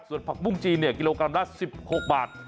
ส่วนผักบุ้งจีนกิโลกรัมละ๑๖บาท